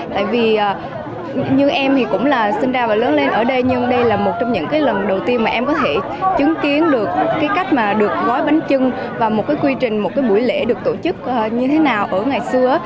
tại vì như em thì cũng là sinh ra và lớn lên ở đây nhưng đây là một trong những cái lần đầu tiên mà em có thể chứng kiến được cái cách mà được gói bánh trưng và một cái quy trình một cái buổi lễ được tổ chức như thế nào ở ngày xưa